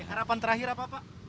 harapan terakhir apa pak